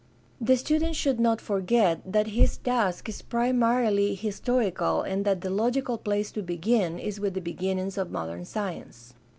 The student should not forget that his task is primarily historical and that the logical place to begin is with the begiimiings of modern science.